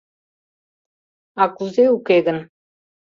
— А кузе уке гын?